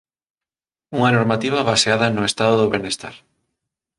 Unha normativa baseada no Estado do benestar